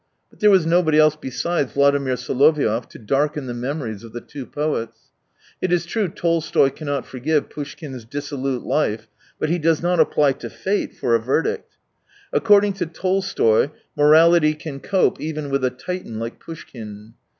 But there was nobody else besides Vladimir Soloviov to darken the memories of the two poets. It is true Tolstoy cannot forgive Poushkin's dissolute life, but he does not apply to Fate for a verdict. According to Tolstoy morality can cope even with a Titan like Poushkin.